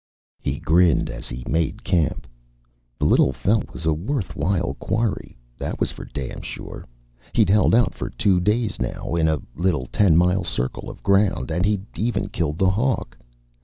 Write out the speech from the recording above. He grinned as he made camp. The little fellow was a worthwhile quarry, that was for damn sure. He'd held out for two days now, in a little ten mile circle of ground, and he'd even killed the hawk.